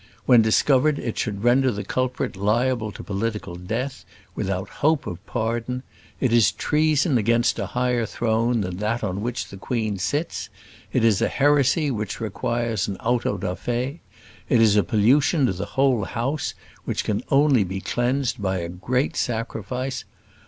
When discovered, it should render the culprit liable to political death, without hope of pardon. It is treason against a higher throne than that on which the Queen sits. It is a heresy which requires an auto da fé. It is a pollution to the whole House, which can only be cleansed by a great sacrifice.